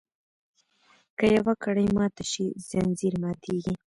که یوه کړۍ ماته شي ځنځیر ماتیږي.